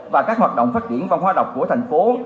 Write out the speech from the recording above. và các hoạt động phát triển văn hóa đọc của thành phố